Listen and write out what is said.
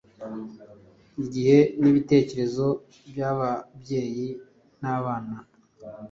igihe n’ibitekerezo by’ababyeyi n’abana